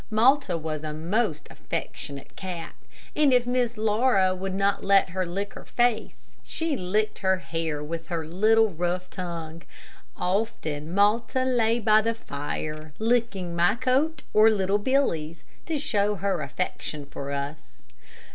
Malta was a most affectionate cat, and if Miss Laura would not let her lick her face, she licked her hair with her little, rough tongue. Often Malta lay by the fire, licking my coat or little Billy's, to show her affection for us.